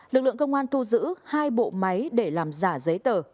lực lượng công an thu giữ hai bộ máy để làm giả giấy tờ